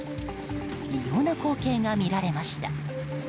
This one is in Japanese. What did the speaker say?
異様な光景が見られました。